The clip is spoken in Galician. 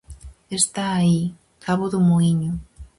-Está aí, cabo do muíño.